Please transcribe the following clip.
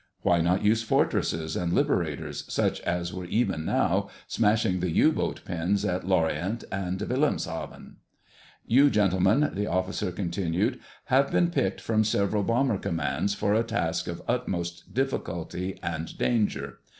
Why not use Fortresses and Liberators, such as were even now smashing the U boat pens at Lorient and Wilhelmshaven? "You, gentlemen," the officer continued, "have been picked from several bomber commands for a task of utmost difficulty and danger.